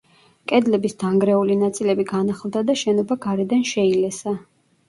კედლების დანგრეული ნაწილები განახლდა და შენობა გარედან შეილესა.